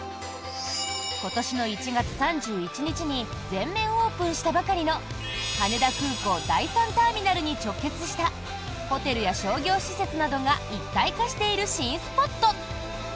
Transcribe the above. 今年の１月３１日に全面オープンしたばかりの羽田空港第３ターミナルに直結したホテルや商業施設などが一体化している新スポット。